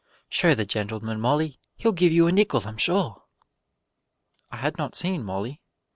"Show the gentleman, Molly; he'll give you a nickel, I'm sure!" I had not seen Molly.